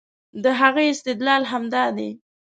د هغې استدلال همدا دی